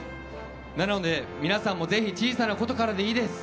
なので皆さんもぜひ小さなことからでいいです。